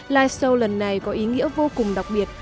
live show lần này có ý nghĩa vô cùng đặc biệt